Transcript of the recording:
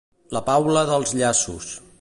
La Paula dels llaços.